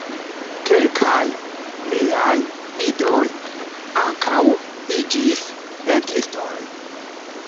Kelkaj liaj idoj ankaŭ iĝis pentristoj.